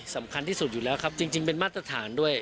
สำคัญที่สุดอยู่แล้วครับจริงเป็นมาตรฐานด้วย